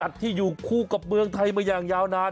ที่อยู่คู่กับเมืองไทยมาอย่างยาวนาน